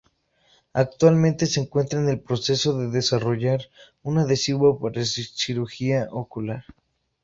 Actualmente se encuentra en el proceso de desarrollar un adhesivo para cirugía ocular.